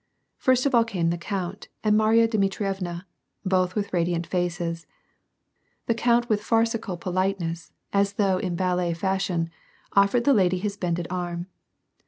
First of all came the count and Marya Dmitrievna, both with radiant faces. The count with farcical politeness, as though in ballet fashion, offered the lady his bended arm.